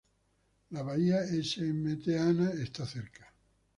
La Bahía Sint Anna está cerca.